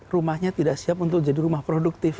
rumahnya tidak siap untuk jadi rumah produktif